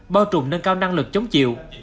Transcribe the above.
bao trùm nâng cao năng lực chống chịu